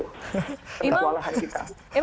tentang kewalahan kita